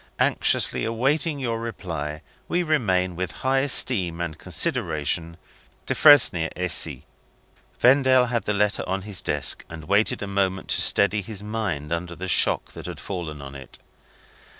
Anxiously awaiting your reply, we remain, with high esteem and consideration, "DEFRESNIER & CIE." Vendale had the letter on his desk, and waited a moment to steady his mind under the shock that had fallen on it.